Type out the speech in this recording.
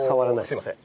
すいません。